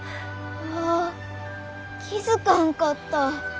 うわ気付かんかった。